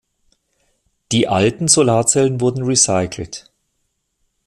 Die alten Solarzellen wurden recycelt.